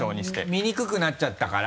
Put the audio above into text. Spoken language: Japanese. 見にくくなっちゃったから？